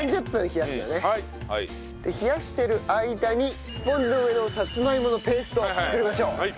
冷やしてる間にスポンジの上のさつまいものペーストを作りましょう。